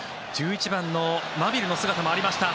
１１番のマビルの姿もありました。